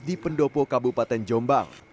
di pendopo kabupaten jombang